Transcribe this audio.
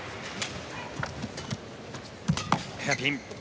ヘアピン。